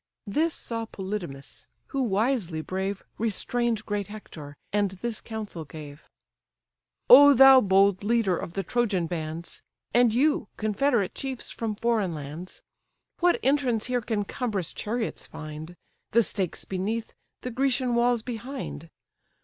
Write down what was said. This saw Polydamas; who, wisely brave, Restrain'd great Hector, and this counsel gave: "O thou, bold leader of the Trojan bands! And you, confederate chiefs from foreign lands! What entrance here can cumbrous chariots find, The stakes beneath, the Grecian walls behind?